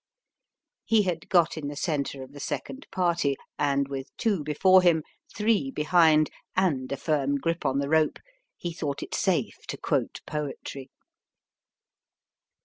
He had got in the centre of the second party, and with two before him, three behind, and a firm grip on the rope, he thought it safe to quote poetry.